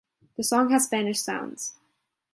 The song has Spanish sounds.